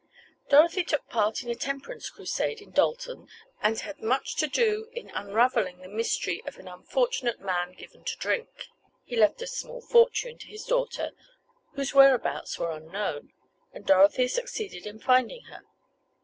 Dorothy took part in a temperance crusade in Dalton and had much to do in unraveling the mystery of an unfortunate man given to drink. He left a small fortune to his daughter, whose whereabouts were unknown, and Dorothy succeeded in finding her.